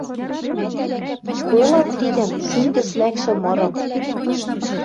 Колат тидӹм, шӱм гӹц лӓкшӹ мырым